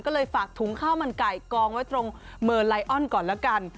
ก็เลยฝากถุงข้าวมันไก่กองไว้ตรงเมอร์ไลออนก่อนแล้วกัน